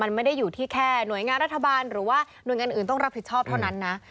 มันไม่ได้อยู่ที่แค่หน่วยงานรัฐบาลหรือว่าหน่วยงานอื่นต้องรับผิดชอบเท่านั้นนะ